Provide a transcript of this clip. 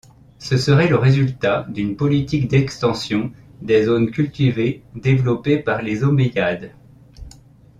Ce serait le résultat d'une politique d'extension des zones cultivées développée par les Omeyyades.